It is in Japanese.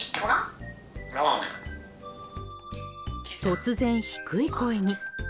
突然低い声に。